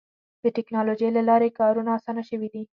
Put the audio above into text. د ټکنالوجۍ له لارې کارونه اسانه شوي دي.